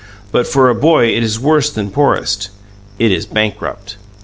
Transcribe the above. But for a boy it is worse than poorest; it is bankrupt.